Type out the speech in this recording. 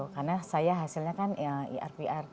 karena saya hasilnya kan irpr